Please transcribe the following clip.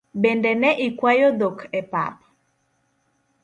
Bende ne ikwayo dhok e pap?